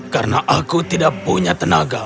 karena aku tidak punya tenaga